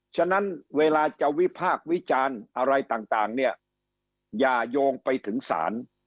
ฉะนั้นเวลาจะวิพากษ์วิจารณ์อะไรต่างเนี่ยอย่าโยงไปถึงศาล